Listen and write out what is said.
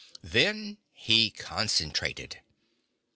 Then he concentrated.